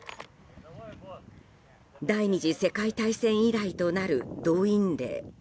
第２次世界大戦以来となる動員令。